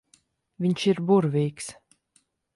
Viņš ir burvīgs.